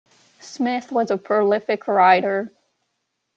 Smith was a prolific writer.